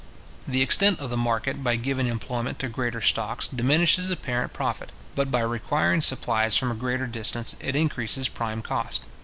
The extent of the market, by giving employment to greater stocks, diminishes apparent profit; but by requiring supplies from a greater distance, it increases prime cost.